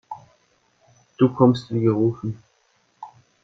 Du kommst wie gerufen.